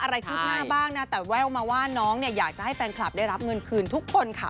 คืบหน้าบ้างนะแต่แววมาว่าน้องเนี่ยอยากจะให้แฟนคลับได้รับเงินคืนทุกคนค่ะ